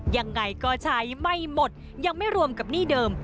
ยังไงก็ใช้ไม่หมดยังไม่รวมกับหนี้เดิม